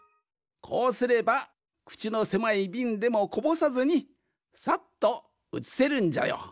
こうすればくちのせまいびんでもこぼさずにさっとうつせるんじゃよ。